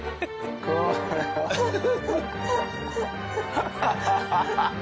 アハハハ。